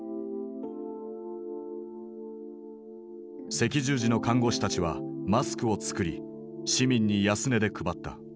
赤十字の看護師たちはマスクを作り市民に安値で配った。